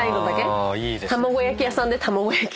卵焼き屋さんで卵焼き買ったり。